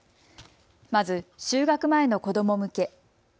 まず、就学前の子ども向け。